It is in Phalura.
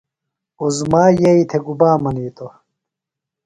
عظمیٰ یئی تھےۡ گُبا منِیتوۡ؟